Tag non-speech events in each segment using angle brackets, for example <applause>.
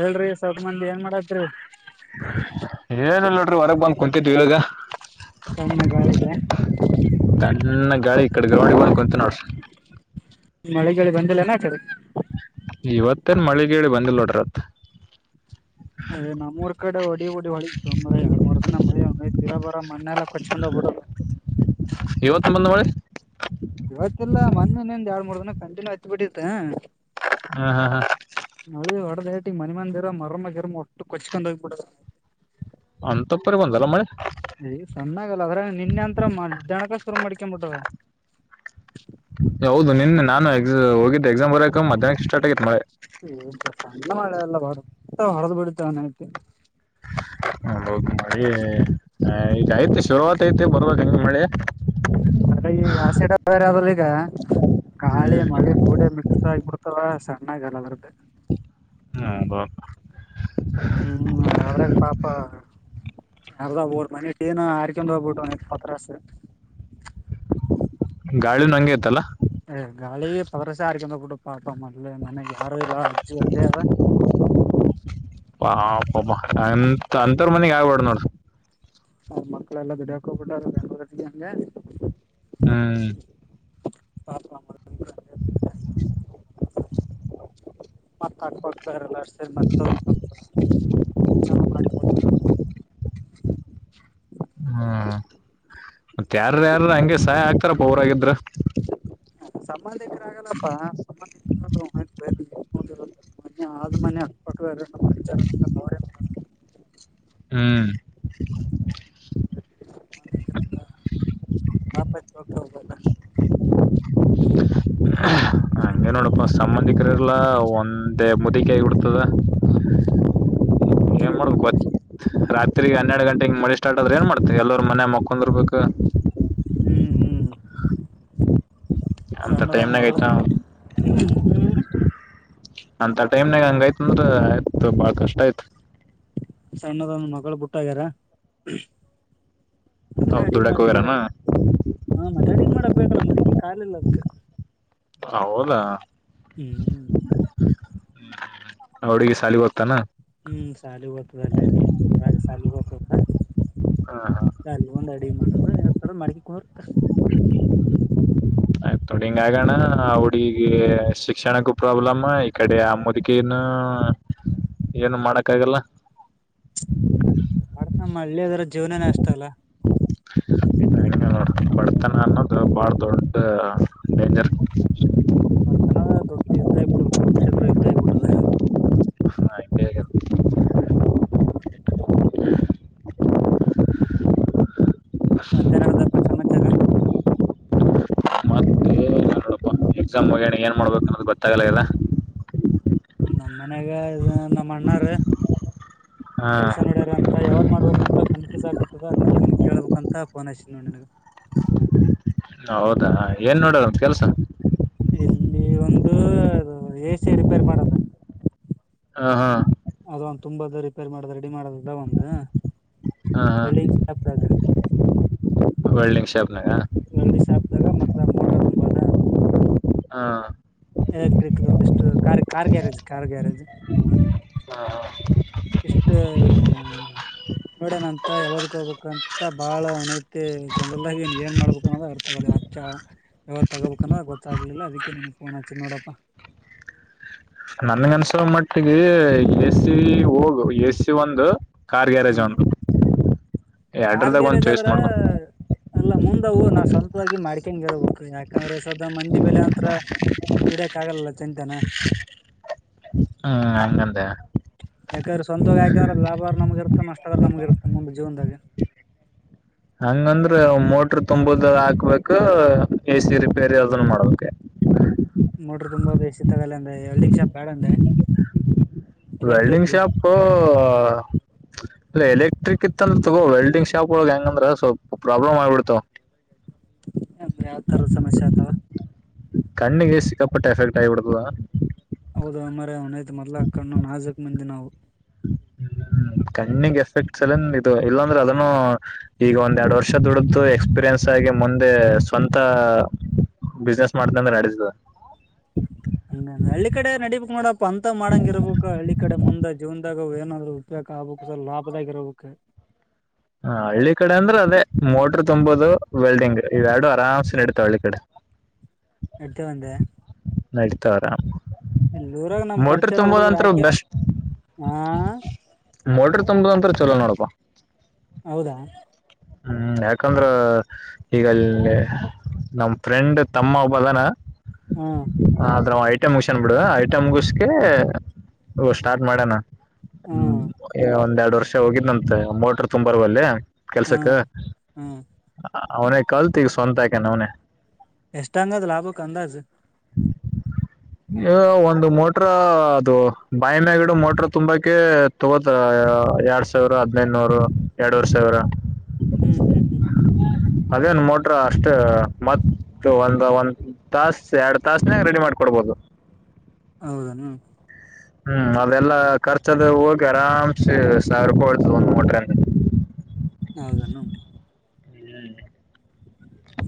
ಹೇಳ್ರಿ ಸ್ವಲ್ಪ ಮಂದಿ ಏನ್ ಮಾಡತ್ರಿ ಏನಿಲ್ಲ ನೋಡ್ರಿ ಹೊರಗ್ ಬಂದ್ ಕುಂತಿದಿವಿ ಇಗ ಸಣ್ಣ ಗಾಳಿಗೆ ತಣ್ಣಗ ಗಾಳಿ ಈ ಕಡೆ ಗ್ರೌಂಡಗೆ ಬಂದ್ ಕುಂತ ನೋಡ್ರಿ ಮಳೆಗಳಿ ಬಂದಲ್ಲನ ಆಕಡೆಗೆ ಇವತ್ತೇನ್ ಮಳಿಗೇಳಿ ಬಂದಿಲ್ಲ ನೋಡ್ರತ್ ನಮ್ಮ್ಊರ್ ಕಡೆ ಹೊಡಿ ಡಿ ಹೊಡಿತ್ ಮಾರಾಯಾ ಎರಡ್ ಮೂರ್ ದಿನ ಮಳಿಂದ ಇರೋ ಬರೊ ಮಣ್ಣೆಲ್ಲ ಕೊಚ್ಕೊಂಡ ಬಿಡ <unintelligible> ಇವತ್ತಲ್ಲ ಮೊನೇಂದ ಎರಡ್ ಮೂರ್ ದಿನ ಕಂಟಿನ್ಯೂ ಹತ್ತಿ ಬಿಟ್ಟಿತ್ ಹ್ಮ ಹಾ ಹಾ ಎಟಿ ಮನೆ ಮಂದಿರ ಮರಮ ಗಿಮ ಒಟ್ಟು ಕೊಚ್ಕೊಂಡ ಹೋಗ್ಬಿಡದ ಅಂತಪ್ಪರಿ ಬಂದಲ್ಲ ಮಳಿ ಈಗ ಸಣ್ಣಾಗಲ್ಲ ಅದ್ರ ನಿನ್ನೆ ಅಂತ್ರ ಜಣಕೊಸ್ಕರ ಮಾಡ್ಕೊಬಿಟ್ಟರ ಹೌದು ನಿನ್ನೆ ನಾನು ಎ ಹೋಗಿದ್ದು ಎಕ್ಸಾಮ್ ಬರಕ ಮಧ್ಯಾಹ್ನ ಸ್ಟಾರ್ಟ್ ಆಗಿತ್ ಮಳೆ ನಲ್ಲ ಮಳೆಲ್ಲ ಬರ ಹೊರದ್ಬಿಡುತ್ತೆನ್ಐತಿ ಹ ಹೌದು ಮಳಿ ಹಾ ಇದು ಆಯ್ತು <unintelligible> ಮಳೆ ಅದ ಈಗ ಆಸಿಡ ಈಗ ಗಾಳಿ ಮಳೆ ಕೂಡೆ ಮಿಕ್ಸ್ ಆಗಬಿಡ್ತಾವ ಚೆನ್ನಾಗಿಹಾಗಿರುತ್ತೆ ಹ್ಮ್ ಹ್ಮ್ ಅವ್ರಾಗ ಪಾಪ ಅರ್ಧ <unintelligible> ಗಾಳಿ ಹಂಗೆ ಇತ್ತಲ್ಲ ಹ ಗಾಳಿ ಹಾರಿಕೊಂಡು <unintelligible> ಅ ಮದೆ ಮನೆಗ್ ಯಾರು ಇಲ್ಲ ಅಜ್ಜಿ ಒಂದೇ ಆದ ಹಾ ಪಾಪ ಅಂತವರ್ ಮನೆಗೆ ಆಗ್ಬಾರ್ದು ನೋಡು ಮಕ್ಕಳೆಲ್ಲಾ ದುಡಿಯೋಕೆ ಹೋಗಿಬಿಟ್ಟರ ಬೆಂಗಳೂರು ಕಡೆಗೆ ಹ್ಮ್ ಪಾಪ ಮತ್ ಕಾರ್ಪಡ್ <unintelligible> ಹ್ಮ್ ಮತ್ತ ಯಾರ ಯಾರ ಹಂಗೆ ಸಹಾಯ ಆಗ್ತಾರ ಹೊರಗಿದ್ರೆ <inaudible> ಹ ಸಂಬಂಧಿಕರ ಆಗಲ್ಲಪ್ಪ ಸಂಬಂಧಿಕರು ಅದೇ ಮನೆ ಅಕ್ಕಪಕ್ಕದವರೇ ನೋಡಿ ಹ್ಮ್ ಸಂಬಧಿಕರು ಆಪತ್ತುಬಂದವರು <unintelligible> ಹಂಗೆ ನೋಡಪ್ಪ ಸಂಬಂಧಿಕರೆಲ್ಲ ಒಂದೇ ಮುದಕಾಯಿ ಹಾಗಿಬಿಡ್ತದೆ ಏನ್ ಮಾಡ್ತ ತಿರ್ಗ ಹನ್ನೆರಡು ಗಂಟೆಗೆ ಮಳೆ ಸ್ಟಾರ್ಟ್ ಆದ್ರ ಏನ್ ಮಾಡ್ತಿ ಎಲ್ಲರರು ಮನೆ ಮಕ್ಕೊಂಡಿರ್ಬೇಕು ಹ್ಮ್ ಹ್ಮ್ <inaudible> ಅಂತ ಸಣ್ಣದೊಂದು ಟೈಮ್ನಾಗ ಮಗಳು ಐತ ಹ್ಮ್ ಅಂತ ಟೈಮ್ನಾಗ ಹಂಗಯ್ತ ಅಂದ್ರ ಆಯ್ತು ಬಾಳ ಕಷ್ಟ ಆಯ್ತು ಸಣ್ಣದ ಒಂದು ಮಗಳ ಬಟ್ ಹೋಗ್ಯಾರ ಅವ್ರ ಅದನ್ನ ಅಡಿಗ್ ದುಡಕ್ ಮಾಡಿ ಹೋಗ್ಯಾರನ ಕೊಡದ ಹಾ ಮತ್ತ ಅಡಗಿ ಮಾಡಕ್ ಬೇಕಲ್ಲ ಮುದುಕಿ ಕಾಲಿಲ್ಲ <unintelligible> ಹೌದಾ ಹ್ಮ್ <inaudible> ಆ ಹುಡುಗಿ ಶಾಲಿಗೆ ಹೋತ್ತನ ಹ್ಮ್ ಸಾಲಿಗೆ ಹೋಗತದಲ್ಲೇ ಇದರಗ ಸಾಲಿಗೆ ಹೋಗತದ ಬಂದು ಅಡಿ ಮಾಡ ಹೌ ಮಾಡ್ಕಿ ಕುಂದ್ರತ್ತ <inaudible> ಆಯ್ತ್ ನೋಡಿಂಗ ಆಗಣ ಹುಡುಗಿಗೆ ಶಿಕ್ಷಣಕ್ಕೂ ಪ್ರಾಬ್ಲಮ ಈ ಕಡೆ ಆ ಮುದಕಿನು ಏನು ಮಾಡಕ್ಕ ಆಗಲ್ಲ <unintelligible> ನಮ್ಮ ಹಳ್ಳಿ ಅದ್ರ ಜೀವನನ ಅಷ್ಟ ಅಲ್ಲ ಇನ್ನು ಇನ್ನು ಬಡತನ ಅನ್ನೋದು ಬಾಳ ದೊಡ್ಡ ಡೇಂಜರ್ ಬರ್ತನದ ದೊಡ್ಡ ಯುದ್ಧ ಆಗ್ಬಿಡದ ಕುರುಕ್ಷೇತ್ರ ಯುದ್ಧ ಆಗ್ಬಿಟ್ಟದ ಹಂಗೆ ಆಗ್ಯದ ಮತ್ತೆ ನಡದ ಪ ಸಮಾಚಾರ ಮತ್ತೆ ನೋಡಪ್ಪ ಎಕ್ಸಾಮ್ ಮುಗಿಯನ ಏನ್ ಮಾಡ್ಬೇಕು ಅನ್ನೋದು ಗೊತ್ತಲ್ಲಗದ ನಮ್ಮ ಮನ್ಯಾಗ ಇದ ನಮ್ಮಣ್ಣರ ಹಾ ಕೆಲ್ಸ ನೋಡ್ಯಾರ ಅಂತ ಯಾವ್ದ್ ಮಾಡ್ಬಬೇಕತ ಕನ್ಫ್ಯೂಸ್ ಆಗಕತ್ತದ ಅದಕ್ಕ ನಿನಗ್ ಕೇಳ್ಬೇಕು ಅಂತ ಫೋನ್ ಹಚ್ಚಿನಿ ನೋಡ್ ನಿನಗ ಹೌದಾ ಏನ್ ನೋಡದಂತ ಕೆಲ್ಸ ಇಲ್ಲಿ ಒಂದು ಎ ಸಿ ರಿಪೇರ್ ಮಾಡದ ಹ ಹಾ ಅದ ಒಂದು ತುಂಬದ್ ರಿಪೇರ್ ಮಾಡಿದ್ರೆ ಮಾಡದ ಅದ ಒಂದು ಹ ಹಾ ವೆಲ್ಡಿಂಗ್ ಶಾಪ್ದಾಗ ವೆಲ್ಡಿಂಗ್ ಶಾಪ್ ವೆಲ್ಡಿಂಗ್ ಶಾಪ್ದಾಗ ಮತ್ತ ಮೋಟ್ರ ತುಂಬದ ಹ ಎಲೆಕ್ಟ್ರಿಕ್ ಒಂದಿಷ್ಟು ಕಾರ್ ಕಾರ್ಗ್ಯಾರೇಜ್ ಕಾರ್ ಗ್ಯಾರೇಜ್ ಹಾ ಹಾ ಇಷ್ಟ ನೋಡ್ಯಾನಂತ ಯಾವದಕ್ ಹೋಗ್ಬೇಕಂತ ಬಾಳನೈತಿ ಗೊಂದಲದಾಗನಿ ಏನ್ ಮಾಡ್ಬೇಕ <unintelligible> ಅಚ್ಚ ಯಾವದ್ ತಗೋಬೇಕನ್ನದ ಗೊತ್ತಾಗ್ಲಿಲ್ಲ ಅದಕ್ಕ ನಿನ್ಗ್ ಫೋನ್ ಹಚ್ಚಿದ್ ನೋಡಪ್ಪ ನನ್ಗ ಅನ್ಸೋ ಮಟ್ಟಿಗೆ ಎ ಸಿ ಹೋಗು ಎ ಸಿ ಒಂದು ಕಾರ್ ಗ್ಯಾರೇಜ್ ಹ್ಮ್ ಒಂದು ಕಾರ್ ಎರಡ್ರದಾಗ ಒಂದ್ ಗ್ಯಾರೇಜ್ ಚಾಯ್ಸ್ ಆದ್ರ ಮಾಡ್ಕೊ ಅ ಲ್ಲ ಮುಂದವು ನಾ ಸ್ವಂತವಾಗಿ ಮಾಡ್ಕೇನ್ಗೆರಬೇಕು ಯಾಕಂದ್ರೆ ಸ್ವದ ಮಂದಿ ಬಲ್ಲೆ ಅದ್ರ ದುಡ್ಯಕ್ ಆಗಲ್ಲ ಚೆಂತನ ಹ್ಮ್ ಹಂಗಂದ್ಯ ಯಾಕಂದ್ರ ಸ್ವಂತವಾಗಿ ಹಾಕಂದ್ರ ಲಾಭಾದ್ರ ನಮಗ ಇರ್ತ್ತ ನಷ್ಟ ಆದ್ರ ನಮಗ ಇರ್ತ ಮುಂದ ಜೀವನ್ದಾಗ ಹಂಗಂದ್ರ ಮೋಟ್ರ ತುಂಬುದ ಹಾಕ್ಬೇಕು ಎ ಸಿ ರಿಪೇರಿ ಅದನ್ ಮಾಡ್ಬೇಕ ಮೋಟ್ರ ತುಂಬಾ ಬೇಸತ್ತಗಲ್ಲ ಅಂದ್ರ ಎಲ್ಡಿಂಗ ಶಾಪ್ ಬೇಡಂದೆ ವೆಲ್ಡಿಂಗ್ ಎಲೆಕ್ಟ್ರಿಕ್ ಶಾಪ್ ಇಲ್ಲ ಎಲೆಕ್ಟ್ರಿಕ್ ಇತ್ತ ಅಂದ್ರ ತಗೋ ವಲ್ಡಿಂಗ್ ಶಾಪ್ ಒಳಗೆ ಹೆಂಗ ಅಂದ್ರ ಸ್ವಲ್ಪ ಪ್ರಾಬ್ಲಮ್ ಆಗ್ಬಿಡ್ತಾವ ನ ಯಾವ ತರ ಸಮಸ್ಯೆ ಆತವಾ ಕಣ್ಣಿಗೆ ಸಿಕ್ಕಾಪಟ್ಟ ಎಫೆಕ್ಟ್ ಆಗಿಬಿಡ್ತದಾ ಹೌದೋ ಮಾರಾಯ ಅವನ ಮೊದಲ ಕಣ್ಣಿನ ಮ್ಯಾಜಿಕ್ ಮಂಜ ನಾವು ಹ್ಮ್ ಕಣ್ಣಿಗ್ ಎಫೆಕ್ಟ್ಸ್ ಎಲ್ಲಂದ ಇದು ಇಲ್ಲಾಂದ್ರೆ ಅದನ್ನು ಈಗ ಒಂದ್ ಎರಡ್ ವರ್ಷ ದುಡ್ದು ಎಕ್ಸ್ಪೀರಿಯನ್ಸ್ ಆಗಿ ಮುಂದೆ ಸ್ವಂತ ಬಿಸ್ನೆಸ್ ಮಾಡತ ಅಂದ್ರೆ ನಡೆಸ ಹಂಗ ಹಳ್ಳಿ ಕಡೆ ನಡಿಬೇಕಕ್ ನೋಡ ಅಂತ ಮಾಡಂಗ ಇರಬೇಕು ಹಳ್ಳಿ ಕಡೆ ಮುಂದ ಜೀವನ್ದಾಗ ಏನಾದ್ರು ಉಪಯೋಗ ಆಗ್ಬಬೇಕು ಸರ್ ಲಾಭದಾಗಿ ಇರಬೇಕು ಹ ಹಳ್ಳಿ ಕಡೆ ಅಂದ್ರೆ ಅದೇ ಮೋಟ್ರ ತುಂಬದು ವೆಲ್ಡಿಂಗ್ ಇ ಎರಡು ಆರಾಮ್ಸೆ ನಡೀತಾವ ಹಳ್ಳಿ ಕಡೆ ಎತ ಬಂದ ನಡಿತವೆ ಆರಾಮ್ ಊರಾಗ ನಮ್ ಮೋಟರ್ ಪರಿಚಯ ಹುಡುಗರು ತುಂಬೋದಂತರ ಹಾಕಿ ಬೆಸ್ಟ್ ಹಾ ಮೋಟರ್ ತುಂಬೋದಂತ ಚಲೋ ನೋಡ ಹಾ ಹೌದಾ ಹ್ಮ್ ಯಾಕಂದ್ರ ಈಗ ಅಲ್ಲಿ ನಮ ಫ್ರೆಂಡ್ ತಮ್ಮ ಹಬ್ಬದಾನ ಹ್ಮ್ ಆದರೆ ಹೈಟ್ ಐಟ ಮುಗಿಸನ್ ಬಿಡುವ ಐಟ ಮುಗಿಸಕ ಸ್ಟಾರ್ಟ್ ಮಾಡಣ ಹ್ಮ್ ಒಂದೆರಡು ವರ್ಷ ಹೋಗಿದ್ನಂತೆ ಮೋಟ್ರರ್ ತುಂಬಾರಲ್ಲೇ ಹ್ಮ್ ಹ್ಮ್ ಅವ್ನೇ ಕಲ್ತವಿ ಸ್ವಂತಾಕಾನ ಅವನೇ ಎಷ್ಟ ಹಂಗದ್ ಲಾಭಕ್ ಅಂದಾಜ್ ಏನೋ ಒಂದು ಮೋಟ್ರ ಅದು ಬಾಯಿ ಮಿಯ ಗಿಡ ಮೋಟ್ರ ತುಂಬಾಕ್ಕೆ ತಗೋದ ಎರಡ್ ಸಾವಿರ ಹದ್ನೈದುನೂರು ಎರಡೂರ್ ಸಾವಿರ ಹ್ಮ್ ಹ್ಮ್ ಹ್ಮ್ ಹ್ಮ್ ಅದೇನ್ ಮೋಟ್ರ ಅಷ್ಟೇ ಮತ್ತ ಒಂದ ಒಂದ್ ತಾಸ್ ಎರಡ್ ತಾಸ್ನಾಗ ರೆಡಿ ಮಾಡ್ಕೊಡ್ಬೋದು ಹೌದ ಹ್ಮ್ ಅದೆಲ್ಲ ಖರ್ಚದ ಹೋಗಿ ಆರಾಮ್ಸ ಸಾವಿರ ರೂಪಾಯಿ ಒಳಿತು ಒಂದ್ ಮೋಟ್ರ ಹೌದನ್ನು ಹ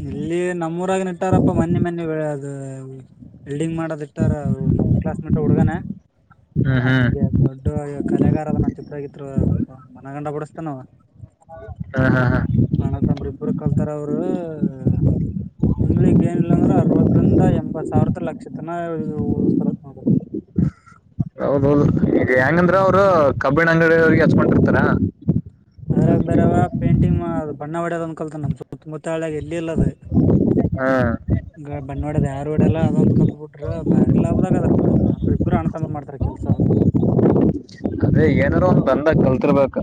ಇಲ್ಲಿ ನಮ್ಮೂರಾಗಿ ನ ಇತಾರಪ್ಪ ಮನ್ನೆ ಮನ್ನೆ ಬೆಳೆ ಅದು ಬಿಲ್ಡಿಂಗ್ ಮಾಡದ್ ಇಟ್ಟಾರ ನಮ್ ಕ್ಲಾಸ್ ಮಟ್ಟ ಹುಡುಗನ ಹ್ಮ್ ಹ್ಮ್ ಹಂಗೆ ದೊಡ್ಡ ಕಲೆಗಾರ ಅದ ನ ಚಿಪರಗತ್ರು ಮನ ಗಂಡ ಬುಡಸ್ತಾನ ಹಾ ಹಾ ಹಾ ಅಣ್ಣತ್ಂಬ್ರಿ ಇಬ್ಬರು ಕಲ್ತಾರ ಅವರು ತಿಂಗ್ಳಿಗ ಏನಿಲ್ಲ ಅಂದ್ರ ಅರವತ್ತರಿಂದ ಎಂಬತ್ ಸಾವಿರದ ಲಕ್ಷತನ ಉಳಸ್ತಾರ ನೋಡ ಹೌದೌದು ಈಗ ಹೆಂಗಂದ್ರ ಅವರು ಕಬ್ಬಿಣ ಅಂಗಡಿಯ ಅವಿಗೆ ಹಚ್ಕೊಂಡಿರ್ತಾರ ಅದ್ರಾಗ ಬರವ ಪೇಂಟಿಂಗ್ ಅ ಬಣ್ಣವಾಡ್ಯದ ಅನ್ಕಲ್ತ ನಮ್ ಸುತ್ತ ಮುತ್ತಾಳಾಗ ಎಲ್ಲಿ ಇಲ್ಲ ಅದು ಹಾ ಈ ಬಣ್ಣವಾಡದ ಯಾರ ಒಡೆಲ್ಲ ಅದೊಂದ ಕಲ್ದ ಬಿಡ್ರ ಬಾರಿ ಲಾಭದಾಗದರ್ ಬಿಡ ಅಂದ್ರಿ ಇಬ್ಬರು ಅಣ್ಣ ತಮ್ಮ ಮಾಡ್ತಾರ ಕೆಲ್ಸ ಅವರು ಅದೇ ಏನಾರೂ ಒಂದ ಬಂದಾಗ ಕಲ್ತಿರ್ಬೇಕ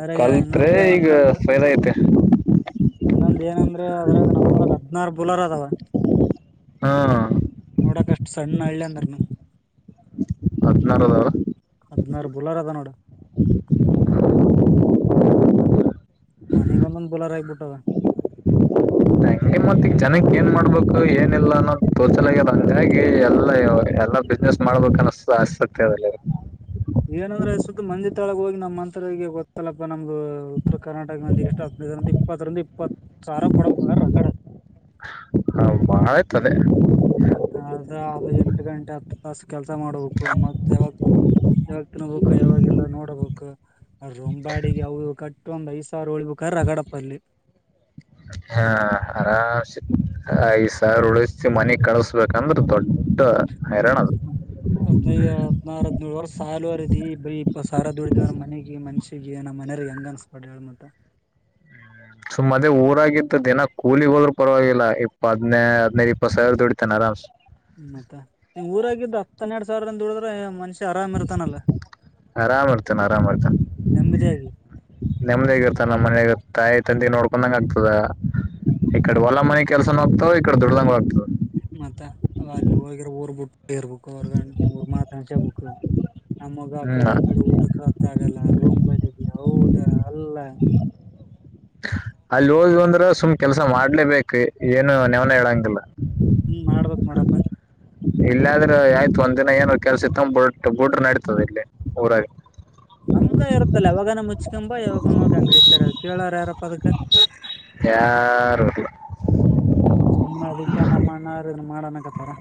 ಅದ್ರಾಗ ಕಲತ್ರೆ ಇನ್ನೊಂದ್ ಈಗ ಫೈಲ್ ಐತೆ ಇನ್ನೊಂದ ಏನಂದ್ರೆ ಅದ್ರಾಗ ನಮ್ಮೂರ ಹದಿನಾರು ಬೋಲಾರದವಾ ಹಾ ನೋಡಾಕ ಅಷ್ಟ್ ಸಣ್ಣ ಹಳ್ಲಿದ್ರನ್ನು ಹದಿನಾರುದಾವ ಹದಿನಾರ ಬುಲಾರ ಅದ ನೋಡು ಮನಗೊಂದ ಬೋಲಾರ ಆಗ್ಬಿಟ್ಟದೆ ಮತ್ತಗ ಜನಕ್ಕೆ ಏನ್ ಮಾಡ್ಬೇಕು ಏನ್ ಲ್ಲ ತೋಸಲಾಗದೆ ಹಾಗಾಗಿ ಎಲ್ಲ ಎಲ್ಲ ಬಿಸ್ನೆಸ್ ಮಾಡ್ಬೇಕ ಅನ್ನಸತ ಆಸಕ್ತಿಲ್ಲಿ ಏನಂದ್ರ ಸುತ್ತ ಮಂದಿ ತಾಳಗೆ ಹೋಗಿ ನಮ್ಮ್ಂತರಿಗೆ ಗೊತ್ತಲ್ಲಪ್ಪ ನಮ್ದು ಉತ್ತರ ಕರ್ನಾಟಕ ಮಂದಿಗೆ ಎಷ್ಟು ಹದಿನೈದರಿಂದ ಇಪ್ಪತ್ತರಿಂದ ಇಪ್ಪತ್ತು ಸಾಲ ಕೊಡಬೇಕ ಅ <inaudible> ಮತ್ತ ಅ ಎಂಟು ಗಂಟೆ ಹತ್ತು ತಾಸ ಕೆಲ್ಸ ಮಾಡ್ಬೇಕು ಮತ್ತ್ ಯಾವಾಗ ಯಾವಾಗ ತಿನ್ಬೇಕು ಯಾವಾಗಲ್ಲ ನೋಡಬೇಕು ಅ ಒಂಬಾಡಿಗೆ ಅವರು ಕಟ್ಟ ಒಂದ್ ಐದ್ ಸಾವಿರ ಉಳ್ಬೇಕಾರ ರಗಡಪ್ಪಲ್ಲಿ ಹಾ ಆರಂಸೆ ಐದು ಸಾವಿರ ಉಳಿಸಿ ಮನೆಗ್ ಕಳಸ್ಬೇಕು ನಮ್ಮದು ದೊಡ್ಡ ಹೈರಾಣ ಅದು ಹ್ಮ ಹದ್ನೈದು ಹದ್ನಾರು ಹದಿನೆಂಲ್ ಸಲದೇ ವರ್ಷ ಸಾಲುವರ್ ಬರಿ ಇ ಸಾರ ದುಡತವ ನಮ್ಮ ಮನೆಗೆ ಮನ್ಷೆ ಗ ನಮ್ಮ್ ಮನೆಯರ್ ಹೆಂಗ ಅನ್ಸ್ಬಡ್ ಹೇಳ ಮಂತ ಸುಮ್ಮದೇ ಊರಾಗಿದ್ದು ದಿನ ಕೂಲಿಗೆಹೋದ್ರು ಪರವಾಗಿಲ್ಲ ಇಪ್ಪ ಹದನೇ ಹದ್ೈದು ಇಪ್ಪತ್ ಸಾವಿರ ದುಡಿತಾನೆ ಆರಂಸೆ ಹ್ಮ್ ಮತ್ತ ನಿಮ್ ಊರಾಗಿದ್ದ ಹಾತ್ ಹನ್ನೆರಡ್ ಸಾವರ ದುಡ್ರೆ ಮಾನುಷ್ ಆರಾಮ ಇರ್ತಾನ ಆರಾಮ ಇರ್ತನ್ ನೆಮ್ಮದಿಯಾಗಿ ನೆಮದಿಗ ಇರ್ತಾನ ನಮ್ಮ ಮನಾಗ ತಾಯಿ ತಂದಿ ನೋಡ್ಕೊಂಡಂಗ ಆಗ್ತದ ಈ ಕಡೆ ಒಲ ಮನೆ ಕೆಲ್ಸನ ಹೋಗ್ತಾವ ಈಕಡೆ ದುಡ್ದಂಗ ಆಗ್ತದ ಮತ್ತ ಅಲ್ಲಿ ಹೋಗ್ರೆ ಊರ್ಬಿಟ್ಟು ರ್ ಬುಕ್ ರ್ಗ ನೂರು ಮಾತ ಹಕು <unintelligible> ನಮಗ ಆ ಕಡೆ ಈ ಹ್ಮ್ ಕಡೆ ಊಟಕೆ ರೊಕ್ಕಾಗಲ್ಲ ರೋಮ್ ಬಡಿಗ್ಗೆ ಹೌದಾ ಅಲ್ಲ ಅಲ್ಲಿ ಹೋದ್ ಅಂದ್ರ ಸುಮ್ ಕೆಲ್ಸ ಮಾಡ್ಲೇಬೇಕು ಏನು ನೆವ್ನ ಹೇಳಂಗಿಲ್ಲ ಮಾಡೋಪ್ಪ ಇಲ್ಲಾದ್ರೆ ಆಯ್ತು ಒಂದಿನ ಏನ ಕೆಲ್ಸ ಇತ್ತ ಬಿ ಬಿಟ್ರೆ ನಡತದೆ ಇಲ್ಲಿ ಊರಾಗ ನಮ್ದ ಇರುತ್ತಲ್ಲ ಯಾವಾಗನ ಬೇರೆಪ್ಪ ಅದಕ್ಕೆ ಯಾರು ಇರಲ್ಲ ನಮ್ಮ್ಣಾರ ಮಾಡಣಕತ್ತಾರ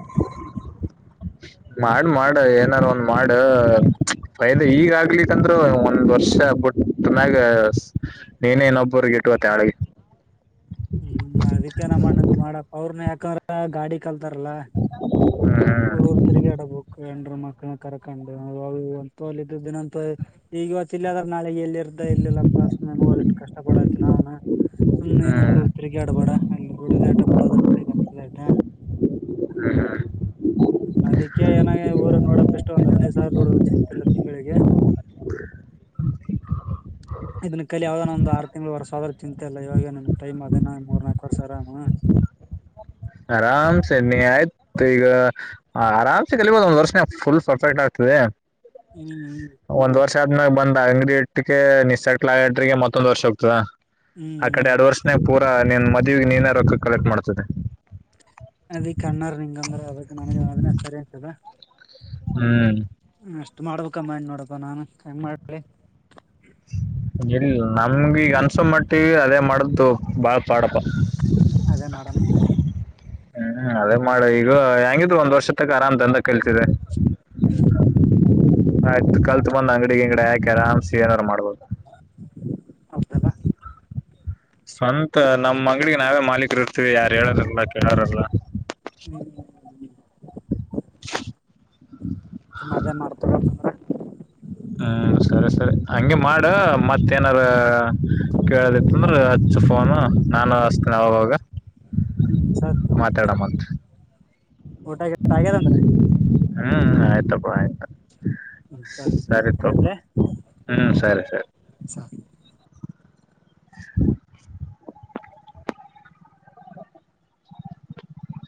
ಮಾಡ ಮಾಡ ಏನಾರ ಒಂದ್ ಮಾಡ ೈದ ಈಗ ಆಗ್ಲಿಕ್ಂದ್ರರು ಒಂದ್ ವರ್ಷ ಬಿಟ್ಟ ಮ್ಯಾಗೆ ನೀನೆ ಇನ್ನೋಬ್ಬರಿಗೆ ಎಟ್ಟ್ ಇವತ್ತ್ <unintelligible> ಹ್ಮು ಅದಿಕ್ಕೆ ನಮ್ಮ್ ಅಣ್ಣಂದು ಮಾಡಾಕ್ ಅವರ್ನ ಯಾಕ್ ಕಲ್ಕೋ ಗಾಡಿ <unintelligible> ತರ್ಲಾ ಹ್ಮ್ ಊರ್ ಊರ್ ತಿರ್ಗಯಾಡುದಕ್ <unintelligible> ಅಕ್ಕನ ಕರಕೊಂಡು <unintelligible> ದಿನ ಇವತ್ತ್ ಇಲ್ಲೇ ಅದಾರ ನಾಳಿ ಇಲ್ಲಿ ಇರ್ದ ಎಲ್ಲಿಲ್ಲಪ್ಪ ಸುಮ್ನೆ ನೋಡ್ ಎಷ್ಟ್ ಕಷ್ಟ ಪಡಾ ಚುನಾವಣಾ ಹಾ ಹರ್ಗ್ಯಾಡ್ಬ್ಯಾಡ ಹಂಗ್ <unintelligible> ಆಯ್ತಾ ಹ್ಮು ಅದಕ್ಕೆ ಏನಾ ಎ ಊರು ನೋಡಾಪ್ ಇಷ್ಟು ಒಂದ್ ಹದನೈದ್ <unintelligible> ಅದಾ ದೊಡ್ದುದ್ ಚಿಂತೆ ಇಲ್ಲ ತಿಂಗಳಿಗೆ ಇದನ್ನ ಕಲ್ಯಾವರ <unintelligible> ಒಂದ ಆರ ತಿಂಗಳ ವರ್ಷ ಹೋದ್ರ ಚಿಂತೆ ಇಲ್ಲ ಇವಾಗ ಏನ್ ನನಗ ಟೈಮ್ ಆಗ ಹದಿನಾ, ಮೂರ್, ನಾಲ್ಕ ವರ್ಷ ಆರಾಮು ಆರಾಮ್ಸೆ ನೀ ಆಯ್ತ ಈಗ ಆರಾಮ್ಸೆ ಕಲಿಬೋದು ಒಂದ್ ವರ್ಷನ್ಯಾವ್ ಫುಲ್ ಪರ್ಫೆಕ್ಟ್ ಆಗ್ತದೆ. ಹ್ಮ್ ಹ್ಮ್ ಒಂದ್ ವರ್ಷ ಆದ್ಮೇಲ್ ಬಂದ್ ಅಂಗಡಿ ಇಟ್ಟಿಕ್ಕೆ <unintelligible> ಮತ್ತೊಂದ್ ವರ್ಷ ಹೋಗ್ತದ. ಹ್ಮ್ ಆಕಡೆ ಹ್ಮ್ ಯಾಡ್ ವರ್ಷನ್ಯಾಗ್ ಪೂರ್ <unintelligible> ನಿನ್ನ ಮದುವಿ ನೀನ ರೊಕ್ಕ ಕಲೆಕ್ಟ್ ಮಾಡ್ತದೆ. ಅದಿಕ್ ಅಣ್ಣಾರ್ ನಿಂಗಂದ್ರ ಅದಕ್ ನನಗೆ ಅದನ್ನೇ ಹ್ಮು ಹ್ಮು ಅಷ್ಟ್ ಮಾಡ್ಬೇಕಮ್ಮ ಇನ್ನ್ ನೋಡಪ್ಪ ನಾನ ಹೆಂಗ್ ಮಾಡ್ಲಿ. ಇಲ್ಲ ನಮಗ ಈಗ ಅನ್ಸು ಮಟ್ಟಿಗಿ ಅದೇ ಮಾಡುದು ಬಾಳ್ ಬ್ಯಾಡಪಾ ಅದೇ ಮಾಡೋಣಂದೆ ಹ್ಮು ಅದೇ ಮಾಡ ಈಗ ಹೆಂಗ್ ಇದ್ರು ಒಂದ್ ವರ್ಷ ತಕ್ಕ ಆರಾಮ್ ತಂದ್ <unintelligible> ಹ್ಮು ಆಯ್ತು ಕಲ್ಲ್ ತಗೊಂಡ ಅಂಗಡಿ <unintelligible> ಆರಾಮ್ಸಿ ಏನಾದ್ರು ಮಾಡ್ಬೋದ. ಹೌದಲ್ಲ ಸ್ವಂತ ನಮ್ಮ್ ಅಂಗಡಿಗ್ ನಾವೇ ಮಾಲೀಕರು ಇರ್ತೀವಿ ಯಾರ ಹೇಳೋರ್ ಇರುಲ್ಲ್ ಕೇಳೋರಲ್ಲ ಇರುಲ್ಲ್. ಹ್ಮು ಹ್ಮು ಸುಮ್ಮ ಅದೇ ಮಾಡ್ತಾವೆ ಅಂತಂದ್ರೆ ಹ್ಮ್ ಸರಿ ಸರಿ ಹಂಗೆ ಮಾಡ್. ಅ ಮತ್ತೇ ಏನಾರ ಕೇಳದಿತ್ತಂದ್ರ ಹಚ್ಚು ಫೋನು ನಾನು ಹಸ್ತನ ಅವಾಗ್ ಅವಾಗ್ ಹ್ಮ್ ಮಾತಾಡ ಮತ್ತ್. ಊಟಾ <unintelligible> ಆಗ್ಯದ ಅಂದ್ರ. ಹಾ ಆಯ್ತಪ್ಪ ಆಯ್ತಾ ಹ ಸರಿ ಇಲ್ಲ ಹ್ಮ್ ಸರಿ ಹ